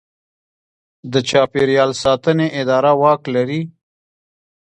د چاپیریال ساتنې اداره واک لري؟